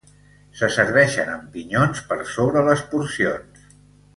Se serveixen amb pinyons per sobre les porcions.